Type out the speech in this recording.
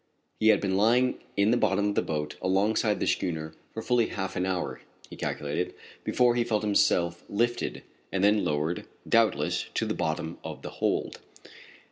He had been lying in the bottom of the boat alongside the schooner for fully half an hour, he calculated, before he felt himself lifted, and then lowered, doubtless to the bottom of the hold.